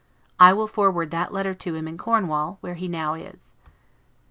I will forward that letter to him into Cornwall, where he now is.